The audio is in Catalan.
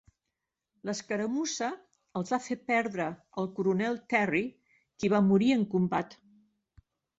L'escaramussa els va fer perdre al coronel Terry, qui va morir en combat.